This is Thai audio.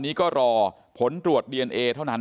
แล้วก็ช่วยกันนำนายธีรวรรษส่งโรงพยาบาล